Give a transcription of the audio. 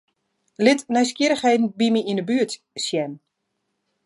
Lit nijsgjirrichheden by my yn 'e buert sjen.